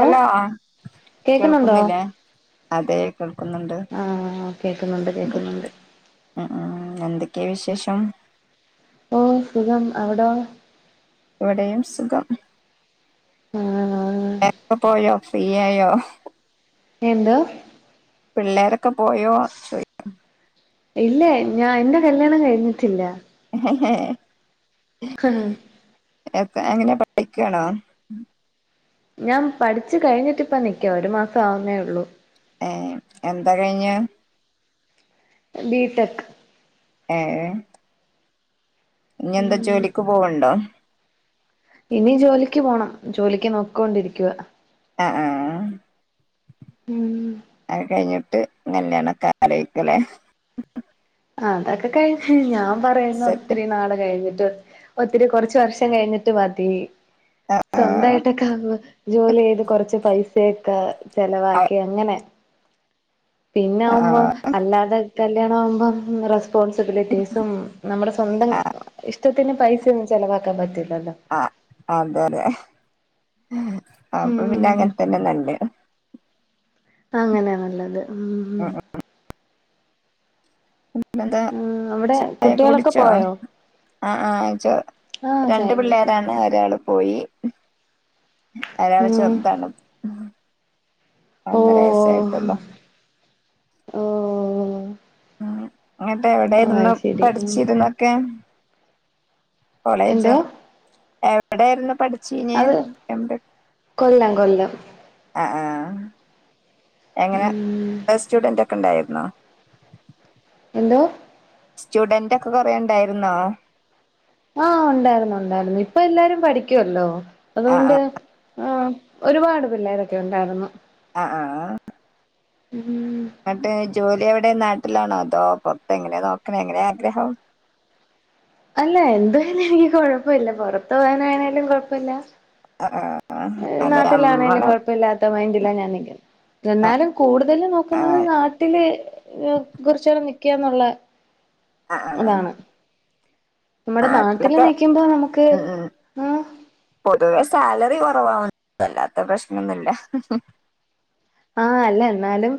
Hello ആഹ് കേക്കുന്നുണ്ടോ കേൾക്കുന്നില്ലേ അതെ കേൾക്കുന്നുണ്ട് ആഹ് കേക്കുന്നുണ്ട് കേക്കുന്നുണ്ട് ഉം എന്തെ ക്കെയാ വിശേഷം ഓഹ് സുഖം അവിടോ ഇവിടേം സുഖം ആണോ പിള്ളേരൊക്കെ പോയോ ഫ്രീ ആയോ എന്തോ പിള്ളേരൊക്കെ പോയോ ചോയ് ഇല്ല ഞാൻ എന്റെ കല്യാണം കഴിഞ്ഞിട്ടില്ല ഏഹ് ആഹ് എങ്ങനെയാ പഠിക്കാണോ ഞാൻ പഠിച്ചു കഴിഞ്ഞിട്ടിപ്പം നിക്കുവാ ഒരു മാസം ആവുന്നേ ഉള്ളൂ ഏഹ് എന്താ കഴിഞ്ഞെ ബി ടെക് ഏഹ് ഇനി എന്താ ഉം ജോലിക്ക് പോവൊണ്ടോ ഇനി ജോലിക്ക് പോണം ജോലിക്ക് നോക്കോണ്ടിരിക്കുവ ആഹ് ആഹ് ഉം അത് കഴിഞ്ഞിട്ട് കല്യാണം ഒക്കെ ആലോചിക്കും അല്ലേ ആഹ് അതൊക്കെ കഴിഞ്ഞ് ഞാൻ പറയുന്നെ സെറ്റ് ഒത്തിരി നാള് കഴിഞ്ഞി ട്ട് ഒത്തിരി കൊറച്ച് വർഷം കഴിഞ്ഞിട്ട് മതി ആ സ്വന്തായിട്ടൊക്കെ ജോലി ചെയ്ത് കൊറച്ച് പൈസയൊക്കെ ആ ചെലവാക്കി ആ അങ്ങനെ പിന്നാവുമ്പോ അല്ലാതെ കല്യാണമ്പം റെസ് പോൺസിബിലിറ്റീസും നമ്മുടെ സ്വന്തം ആ ഇഷ്ടത്തിന് പൈസയൊന്നും ചെലവാക്കാൻ പറ്റി ആഹ് ആന്തറയ അപ്പ പിന്നെ ഉം അങ്ങൻതന്നെ നല്ലെ ആഹ് അങ്ങനെയാ നല്ലത് ഉം ഉം പിന്നെന്താ ഉം അവിടെ ചായ കുട്ടികളൊക്കെ കുടിച്ചോ പോയോ ആഹ് ആഹ് ചോ ആഹ് ചായ രണ്ട് കുടിച്ചു പിള്ളേരാണ് ഒരാളു പോയി ഒരാള് ഉം ചെറുതാണ്. ഓ ഒന്നര വയസെയിട്ടുള്ളൂ. ഓഹ് ഓഹ് ഓഹ് ഇങ്ങിട്ട് എവിടെ ഇരുന്നു ശരി ഉം പഠിച്ചിരുന്നൊക്കെ? കോളേജോ എന്തോ എവിടൊയിരുന്നു പഠി ച്ചിന് അത് എംടെക്ക് കൊല്ലം കൊല്ലം ആഹ് അഹ്. എങ്ങനെ ഉം സ്റ്റുഡന്റ് ഒക്കെ ഉണ്ടായിരുന്നോ? എന്തോ? സ്റ്റുഡന്റ് ഒക്കെ കൊറണ്ടായിരുന്നോ? ആഹ് ഉണ്ടായിരുന്നു ഉണ്ടായിരുന്നു ഇപ്പൊ എല്ലാരും പഠിക്കുവല്ലോ ആഹ് അതുകൊണ്ട് ആഹ് ആ. ഒരുപാട് പിള്ളേരൊക്കെ ഉണ്ടായിരുന്നു. ആ ആ. ഉം എന്നിട്ട് ജോലി അവി ടെ നാട്ടിലാണോ അതോ പൊറത്ത എങ്ങനെയെ നോക്കണ എങ്ങനെയ ആഗ്രഹം? അല്ല എന്തായാലും എനിക്ക് കൊഴപ്പില്ല പുറത്ത് പോകാനായാലും കുഴപ്പല്ല. ആഹ് ആഹ് അല്ലെ നാട്ടിലാണേലും നമ്മള് കുഴപ്പല്ലാത്ത മൈന്റിലാ ഞാൻ നിക്കുന്ന ആഹ് എന്നാലും കൂടുതല് നോക്കുന്നത് ആഹ് നാട്ടില് കുറിച്ചു നീക്കാന്നുള്ളെ ആ ആ. നമ്മുടെ നാട്ടില് നാട്ടിലൊക്കെ നിക്കുമ്പോ നമുക്ക് ഉം ഉം ആഹ് പൊതുവെ സ്‌ സാലറി കൊറവാ വല്ലാത്ത പ്രശ്നൊന്നുല്ല. ആ അല്ല എന്നാലും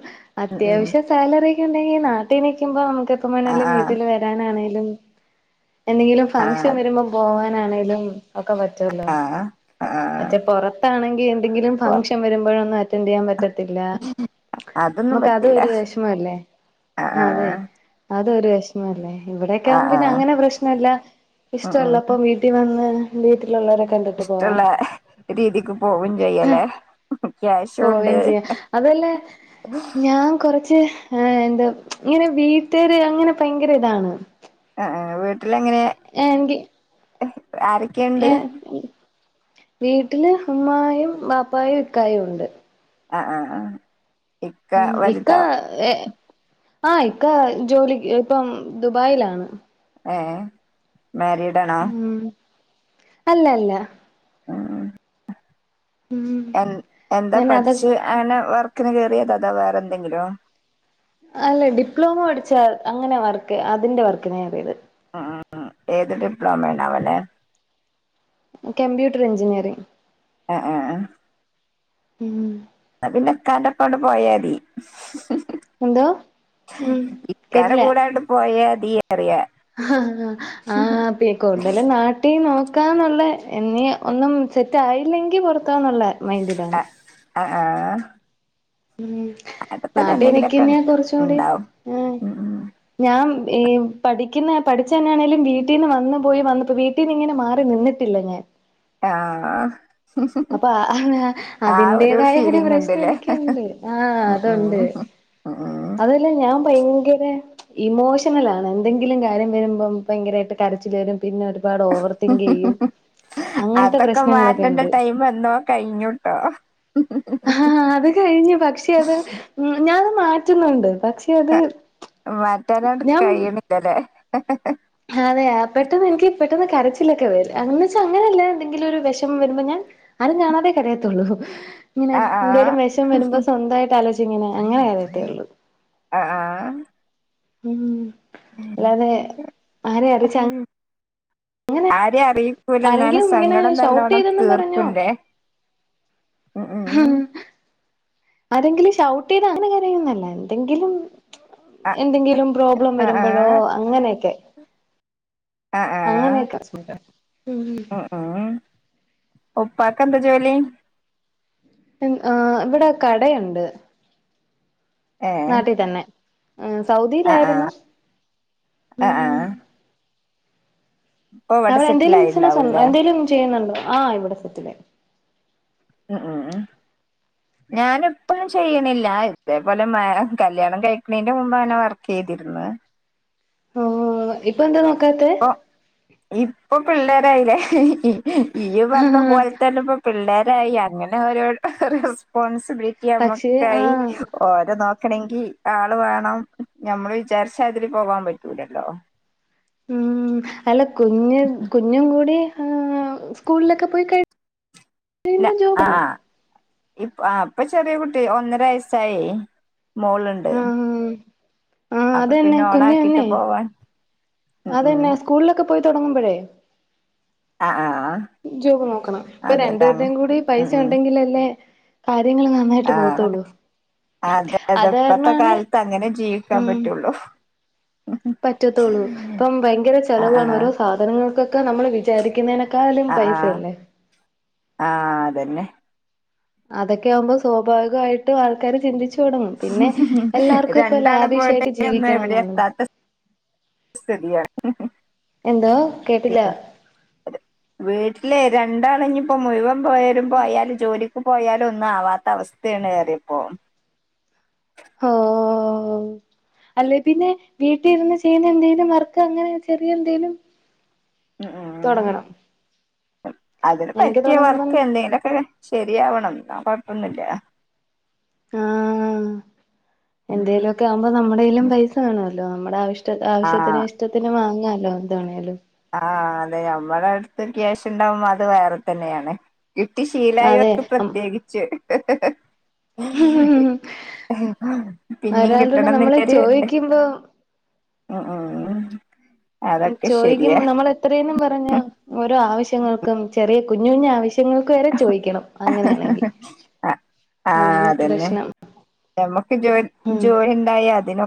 ഉം ഉം അത്യാവശ്യം സാലറിയൊക്കെ ഉണ്ടെങ്കി നാട്ടിൽ നിക്കുമ്പോ നമുക് ക്ക് എപ്പം വേണേലും ആഹ് വീട്ടിൽ വരാനാണെലും എന്തെങ്കിലും ഫംഗ്ഷൻ ആഹ് വരുമ്പോ പോവാൻ ആണേലും ഒക്കെ പറ്റുമല്ലോ. ആഹ് ആഹ് എന്തെങ്കിലും പൊർ ഫംഗ്ഷൻ വരുമ്പോഴൊന്നും അറ്റൻറ് ചെയ്യാൻ പറ്റ ത്തില്ല. അതൊന്നും നമുക്കതു പറ്റില്ല ഒരു വിഷമമല്ലേ ആഹ് അതെ അത് അത് ഒരു വിഷമല്ലേ ഇവിടെക്ക ആഹ് ആവുമ്പോ ആഹ് പിന്നെ ആഹ് അങ്ങനെ പ്രശ്നല്ല ഇഷ്ട ഉം ഉള്ളപ്പോ ഉം വീട്ടിൽ വന്ന് വീട്ടിലുള്ളവരെ കണ്ടിട്ട് പോവാം. ഇഷ്ടള്ള രീതിക്ക് പോവും ചെയ്യല്ലേ. ക്യാഷുണ്ട് പോവയും ചെയ്യാം അതല്ലേ ഞാൻ കൊറച്ച് ആ എന്താ ഇങ്ങനെ വീട്ടാര് അങ്ങനെ ഭയങ്കര ഇതാണ്. ആഹ് ആഹ് എ എങ്കി ആരൊക്കെയുണ്ട്? വീട്ടില് ഉമ്മായും ബാപ്പായും ഇക്കായും ഉണ്ട്. ആ ആ ആ. ഉം ഇക്ക ഏ ആ ഇക്ക ജോലി ഇപ്പം ദുബായിലാണ്. ഏ മാരീഡ് ആണോ? ഉം അല്ല അല്ല. ആ ഉം എൻ എന്താ ഞാൻ അത പഠിച്ചു അങ്ങനെ വർക്കിന് കേറിയത അതാ വേറെ എന്തെങ്കിലോ? അല്ല ഡിപ്ലോമ പഠിച്ച അങ്ങനെ വർക്ക് അതിന്റെ വർക്കിന് കേറിയത്. ഉം ഏത് ഡിപ്ലോമ യാണാവോ ലെ കംമ്പ്യൂട്ടർ എൻജിനീയറിങ്. ആ ആ ആ ഉം അ പിന്നെ ഇക്കാന്റെ ഒപ്പം അങ്ങട് പോയാതി എന്തോ ഉം ഇക്കാടെ കൂടാങ്ങട്ട് പോയ ആ ആ ആ കൂടുതലും നാട്ടീ നോക്കാന്നുള്ള എന്നീ ഒന്നും സെറ്റ് ആയില്ലെങ്കി പൊറത്താന്നുള്ള അ മൈന്റിലാണ് ആ ആ ഉം അവിടെത്തന്നെ നാട്ടി എന്തെങ്കിലൊക്കെ നിക്കുന്നേയാ കൊറച്ചൂടി ഇണ്ടാവും ഉം ഞാൻ ഏ പഠി ക്കുന്ന പഠിച്ചെ നാണേലും വീട്ടീന്നിങ്ങനെ വന്ന് പോയി വന്നു വീട്ടീന്ന് ഇങ്ങനെ മാറി നിന്നിട്ടില്ല ഞാൻ ആ അപ്പൊ ആ അതിന്റെതായ ഒരു ഫീലിംഗ് പ്രശ്നം ഇണ്ട്ല്ലേ എനിക്കുണ്ട് ആ അതുണ്ട് ഉം ഉം ഉം അതല്ലേ ഞാ ഭയങ്കര ഇമോഷണൽ ആണ് എന്തെങ്കിലും കാര്യം വരുമ്പോ ഭയങ്കരായിട്ട് കരച്ചിൽ വരും പിന്നെ [unintelligible] തിങ്ക് ചെയ്യും അങ്ങനത്തെ അതക്കെ പ്രശ്നങ്ങളൊക്കെ മാറ്റേണ്ട ഉണ്ട് ടൈം വന്നോ കയിഞ്ഞുട്ടോ ആഹ് അഹ് അത് കയിഞ്ഞു പക്ഷെ അത് ഞാത് മാറ്റുന്നുണ്ട് പ മാറ്റാനാട്ട് കഴിയണില്ലല്ലേ അതെയാ പെട്ടെന്ന് എനിക്ക് പെട്ടെന്ന് കരച്ചിലെക്കെ വരും അങ്ങന്ച്ചാ അങ്ങനല്ലാ എന്തെങ്കിലൊരു വിഷമം വരുമ്പ ഞാ അത് ഞാനതേ കരയതൊള്ളൂ ഇങ്ങനെ ആ ആ എന്തേലും വിഷം വരുമ്പോ സ്വന്തായിട്ട് ആലോച്ചി ഇങ്ങനെ അങ്ങനെ കരയത്തെ ഉള്ളൂ ആഹ് ആഹ് ഉം അല്ലാതെ ആരെ അറിയിച്ച ആരെ അറിയിക്കൂല്ലാന്നാണ് ആരെങ്കിലും ഇങ്ങനെ സങ്കടം ഷൗട്ട് നല്ലോണം ചെയ്തെന്നും തീർക്കു ആ ആരെങ്കിലും ഷൗട്ട് ചെയ്താ അങ്ങനെ കരയുന്നല്ല എന്തെങ്കിലും ആ എന്തെങ്കിലും പ്രോബ്ലം ആ വരുമ്പഴോ ആ അങ്ങനെയൊക്കെ ആഹ് ആഹ് അങ്ങനെയൊക്കെ [unintelligible] ഉം ഉം ഉപ്പാക്ക് എന്താ ജോലി ആ ഇവിടെ കടയുണ്ട് ഏഹ് നാട്ടിൽ തന്നെ ആ ആഹ് ആഹ് സൗദിയിലായിരുന്നു ആഹ് ആഹ് ഉം ഇപ്പൊ ഇവിടെ അവിടെ എന്തേലും ബിസിനസ് ഉണ്ടോ സെറ്റിലായിണ്ടാവുംല്ലേ എന്തേലും ചെയ്യുന്നുണ്ടോ ആ ഇവിടെ സെറ്റിലായി ഉം ഉം ഞാൻ എപ്പഴും ചെയ്യണില്ല ഇതേ പോലെ മാ കല്യാണം കഴിക്കണേന്റെ മുമ്പ് തന്നെ വർക്ക് ചെയ് തിരുന്ന് ഓ ഓ ഇപ്പൊ എന്താ വ ക്ക് ഇപ്പൊ പിള്ളേരായില്ലേ ഈ പറഞ്ഞ ആഹ് പോലെത്തന്നെ ഇപ്പൊ പിള്ളേരായി അങ്ങനെ ഒരോ റെസ്പോൺസ് പക്ഷേ ആഹ് [unintelligible] ഓരേ നോ ക്കണെങ്കി ആള് വേണം നമ്മള് വിചാരിച്ചാ അതില് പോവാൻ പറ്റൂലല്ലോ ഉം അല്ല കുഞ്ഞ് കുഞ്ഞും കൂടി ആ സ്കൂളിലൊക്കെ പോയി കഴി ഇല്ല കഴിയുമ്പോ ജോബ് ആ വേണം ആ ഇപ്പ ആ ഇപ്പൊ ചെറിയ കുട്ടി ഒന്നര വയസായേ മോളുണ്ടേ ആ അത് തന്നെ കുഞ്ഞു തന്നെ ഉം ഉം അതുതന്നെ സ്കൂളിലൊക്കെ പോയി തുടങ്ങുമ്പോഴേ ആ ആ ജോബ് നോക്കണം ഇപ്പോ രണ്ട് അതെതാണ് പേരുടെയും കൂടി ഉം പൈസ ഉം ഉണ്ടെങ്കിലല്ലേ കാര്യങ്ങള് നന്നായിട്ട് ആ പോത്തുള്ളൂ അതെ അതെ ഇപ്പത്തെ കാലത്ത് അങ്ങനെ ജീവിക്കാൻ ഉം പറ്റുള്ളൂ പറ്റത്തുള്ളൂ ഇപ്പം ഭയങ്കര ആ ചെലവാണ് ആ ഓരോ സാധനങ്ങൾക്കൊക്കെ നമ്മള് വിചാരിക്കുന്നേനക്കാലും പൈസയല്ലേ ആഹ് അതന്നെ അതൊക്കെ ആവുമ്പോ സ്വാഭാവികമായിട്ടും ആൾക്കാര് ചിന്തിച്ച ച്ച് തുടങ്ങും പിന്നെ എല്ലാർക്കും ഇപ്പൊ രണ്ടാള് പോയിട്ട് ലാവിഷായിട്ട് ഒന്നും ജീവിക്കണം എവിടെ എന്നാണ് എത്താത്ത സ്ഥിതിയാണ് എന്തോ കേട്ടില്ല പിന്നെ വീട്ടിലെ രണ്ടാള് ഇനിപ്പോ മുഴുവൻ പോയാലും പോയാലും ജോലി പോയാലും ഒന്നും ആവാത്ത അവസ്ഥയാണ് ഏറിയപ്പോ ഓഹ് അല്ലെ പിന്നെ വീട്ടിരുന്ന് ചെയ്യുന്ന എന്തേലും വർക്ക് അങ്ങനെ ചെറിയ എന്തേലും ഉം ഉം തുടങ്ങണം അതിന് അങ്ങനൊക്കെ പറ്റിയ തുടങ്ങുമ്പം വർക്ക് എന്തേലൊക്കെ ശെരിയാവണം എന്നാ കൊഴപ്പൊന്നില്ല ആഹ് എന്തേലുക്കെ ആവുമ്പോ നമ്മുടേലും പൈസ കാണുവല്ലോ നമ്മുടെ ആവശ്യ ആവശ്യത്തിന് ഇഷ്ടത്തിന് വാങ്ങാലോ എന്താണേലും ആ അതെ നമ്മുടെ അടുത്ത് ക്യാഷ് ഇണ്ടാവുമ്പോ അത് വേറെ തന്നെയാണ് കിട്ടി ശീലായ അതെ ഒക്കെ പ്രത്യേകിച്ച് [unintelligible] [unintelligible] പിന്നിം ഒരാളോട് കിട്ടണം നമ്മള് എന്നില്ലരു ചോദിക്കുമ്പോ [unintelligible] അതൊക്കെ ശരിയാ ചോദിക്കുമ്പോ നമ്മൾ എത്രന്നും പറഞ്ഞ ഓരോ ആവശ്യങ്ങൾക്കും ചെറിയ കുഞ്ഞു കുഞ്ഞ ആവശ്യ ങ്ങൾക്ക് വരെ ചോദിക്കണം അങ്ങനെയാണെങ്കിൽ ആഹ് അതാണ് പ്രശ്നം നമ്മുക്ക് ജോ ഉം ജോലി ഉണ്ടായ അതിനോ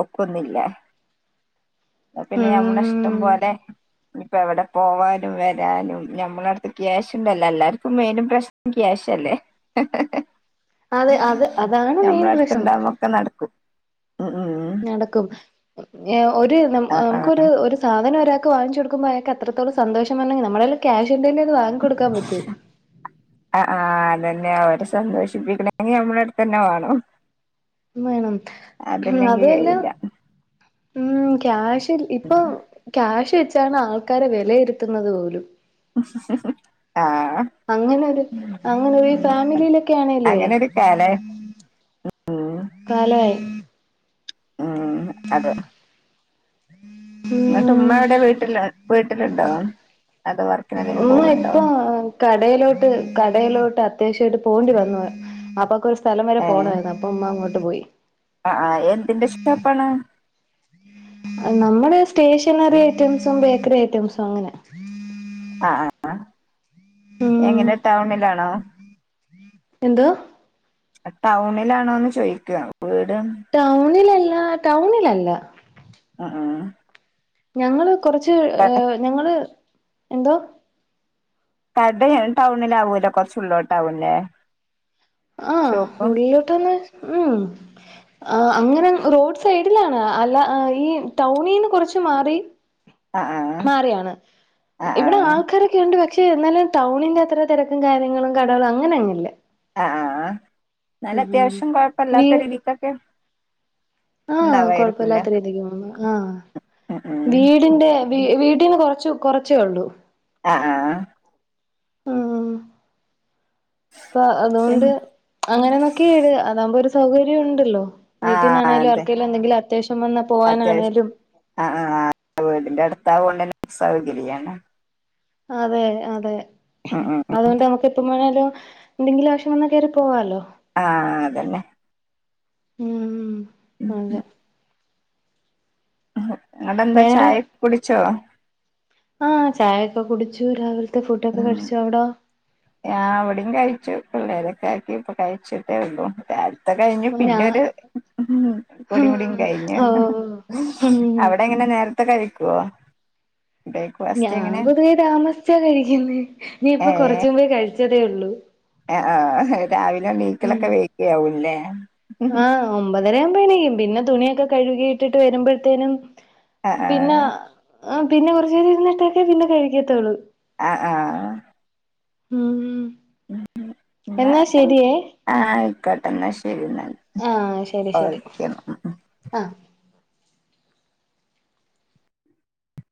ഒക്കുന്നില്ല പിന്നെ ഞമ്മള ഇഷ്ടം ഉം പോലെ ഇപ്പ എവിടെ പോവാനും വരാനും ഞമ്മള അടുത്ത് ക്യാഷ് ഉണ്ടല്ലോ എല്ലാരും മേനും പ്രശ്നക്കയാശല്ലേ അതെ അത് [unintelligible] അതാണ് മെയിൻ ഞമ്മുടെ പ്രശ്നം അടുത്തണ്ടുന്നൊക്കെ നടക്കും ഉം ഉം നടക്കും ഒരു ആഹ് ആഹ് നമുക്കൊരു ഒരു സാധനം ഒരാ വാിച്ച കൊടുക്കോ അത്രത്തോള സന്തോഷംെിൽ നെ ക്യാ് [unintelligible] വാങ്ങി കൊൊടുക്കാൻ പറ്റൂ [unintelligible] സന്തോഷിപ്പിക്കണെങ്കിൽ നമ്മുടെ അടുു തന്നെ വേണം വേണം അത് അതില്ലെങ്കി വല്ല കഴിയില്ല ഉം ക്യാഷിൽ ഇപ്പൊ ക്യാഷ് വെച്ചാണ് ആൾക്കാരെ വിലയിരുത്തുന്നത് പോലും [unintelligible] അങ്ങനെരു അങ്ങനെരു ഉം ഫാമിലിയിലൊക്കെ ആണേലുവേ അങ്ങനെ ഒരു കാലേ ഉം [unintelligible] ഉം അത ങ്ങിട്ട് മ്മ ഉം എവിടെ വീട്ടിൽ വീട്ടിലുണ്ടോ അതോ വർക്കിനെന്തേലും മ് പോവുണ്ടോ ഇപ്പ കടയിലോട്ട് കടയിലോട്ട് അത്യാവശ്യം [unintelligible] പോണ്ടി വന്നു അപ്പൊക്ക് ഒരു സ്ഥലം വരെ പോണമായിരുന്നു അപ്പൊ അമ്മ അങ്ങോട്ട് പോയി ആ ആ എന്തിന്റെ [unintelligible] നമ്മള് സ്റ്റേഷനറി ഐറ്റംസും ബേക്കറി ഐറ്റംസും അങ്ങനെ ആ ആ ഉം എങ്ങനെ ടൗണിലാണോ എന്ത് ടൗണിലാണോന്ന് ചോയിിക്കുവ ടൗണിലല്ല ടൗണിലല്ല ആ ആ ഞങ്ങള് കൊറച്ച് ഏ ഞങ്ങള് എന്തോ [unintelligible] ടൗണില ആാവൂല്ലോ കൊറച്ചുള്ളൂ ടൗണിലേ ആ ഉള്ളിലോട്ട്ന്ന മ് ആ അങ്ങനെ റോഡ് സൈഡിലാണ് അല്ല ഈ ടൗണിൽന്ന് കുറച്ച് മാറി ആഹ് മാറിയാണ് ആഹ് ഇവിടെ ആഹ് ആൾക്കാരൊക്കെണ്ട് പക്ഷെ എന്നാലും ടൗണിന്റെ അത്ര തിരക്കും കാര്യങ്ങളും കടകളും അങ്ങനെ അങ്ങനന്നുല്ലേ ആ ആ എന്നാല അത്യാവശ്യം കൊഴപ്പല്ലാത്ത രീതിക്കൊക്കെ ആ ഉണ്ടാവായിരിക്കില്ല കൊഴപ്പമില്ലാത്ത രീതിക്ക് പോ ആ ഉം ഉം വീടിന്റെ വീട്ടീന്ന് കൊറച്ചു കൊറച്ചേ ഉള്ളൂ ആ ആ പ്പ അതുകൊണ്ട് പിന്ന അങ്ങനെന്നൊക്കെ ഇട് അതാകുമ്പോ ഒരു സൗകര്യം ണ്ടല്ലോ ആഹ് വീട്ടീന്നാണെലും അതെ ആർക്കെലും എന്തെങ്കിലും അത്യാവശ്യം വന്നാ അത്യാവശ്യം പോകാനാണേലും ആഹ് വീടിന്റെ അടുത്താവോണ്ടെന്നെ സൗകര്യണ്. അതെ അതെ ഉം അതുകൊണ്ട് നമുക്ക് എപ്പ വേണാലും എന്തെങ്കിലും ആവശ്യം വന്നാ കേറി പോവാലോ. ആഹ് അതന്നെ ഉം അതെ. ങ്ങടെന്താ വേറെ ചായെക്കെ കുടിച്ചോ ആഹ് ചായൊക്കെ കുടിച്ചു രാവിലെ ഉം ഞാൻ ഇവിടേം കഴിച്ചു ഇവരൊക്കെ ആക്കി ഇപ്പൊ കഴിച്ചിട്ടേ ഉള്ളൂ [unintelligible] ത്ത കഴിഞ്ഞു ഞാ പിന്നൊരു [unintelligible] കഴിഞ്ഞു ഓ ഉം അവിടെങ്ങനെ നേര ത്ത കഴിക്കുവോ ബ്രേക്ക്ഫാസ്റ്റ് ഞാൻ എങ്ങനെ പൊതുവേ താമസിച്ചാ കഴിക്കുന്നേ ഇനിപ്പൊ ഏഹ് കൊറച്ചുമ്പേ കഴിച്ചതേ ഉള്ളൂ ആഹ് രാവിലെ ഉം എണീക്കലൊക്കെ വൈകി ആവൂല്ലേ ആഹ് ഒമ്പതരാമ്പോ എണീക്കും പിന്നെ തുണിയൊക്കെ കഴുകിയിട്ടിട്ട് വരുമ്പോഴ്ത്തേനും ആഹ് പിന്ന ആഹ് പിന്ന കൊറച്ചേരം ഇരുന്നിട്ടൊക്കെ പിന്നെ കഴിക്കത്തൊള്ളൂ ആ ആ ഉം [inaudible] എന്നാ ശരിയേ ആ അയ്ക്കോട്ടെ ന്ന ശെ ശെരി ന്നാല് ആഹ് ശരി ശരി ഓക്കെ ആഹ്